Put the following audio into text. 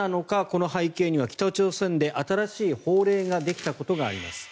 この背景には北朝鮮で新しい法令ができたことがあります。